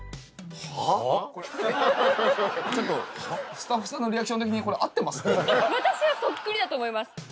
スタッフさんのリアクション的にこれ合ってます？